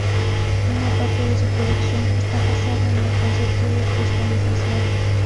Una parte de su producción está basada en el concepto de "cristalización".